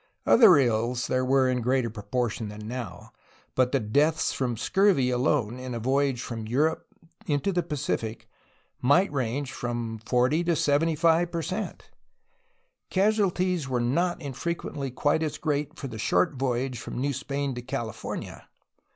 Other ills there were in greater proportion than now, but the deaths from scurvy alone in a voyage from Europe into the Pacific might range from 40 to 75 per cent. Casualties were not infrequently quite as great for the short voyage from New Spain to Cali fornia.